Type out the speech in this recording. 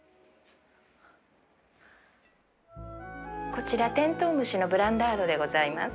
こちらてんとう虫のブランダードでございます。